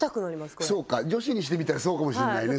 これ女子にしてみたらそうかもしんないね